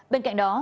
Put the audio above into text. bên cạnh đó